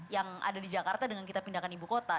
yang ada di jakarta dengan kita pindahkan ibu kota